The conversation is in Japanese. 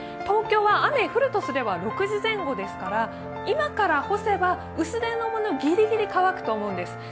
東京は雨降るとすれば６時前後ですから今から干せば、薄手のものぎりぎり乾くと思うんです。